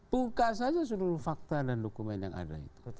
buka saja seluruh fakta dan dokumen yang ada itu